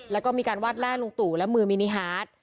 แล้วก็มีการวาดแล่ลุงตู่และมือมินิฮาร์ด